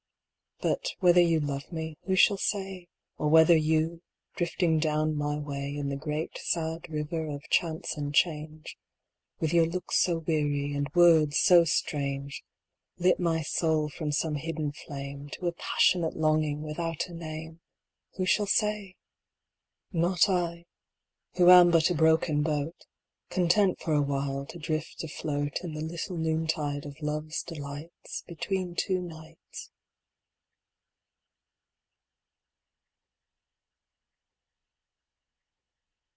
But, whether you love me, who shall say, Or whether you, drifting down my way In the great sad River of Chance and Change, With your looks so weary and words so strange, Lit my soul from some hidden flame To a passionate longing without a name, Who shall say? Not I, who am but a broken boat, Content for awhile to drift afloat In the little noontide of love's delights Between two Nights.